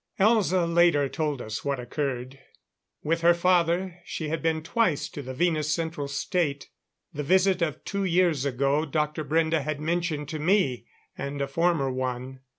Elza later told us what occurred. With her father, she had been twice to the Venus Central State the visit of two years ago Dr. Brende had mentioned to me, and a former one.